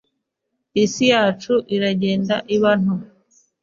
Isi yacu iragenda iba nto.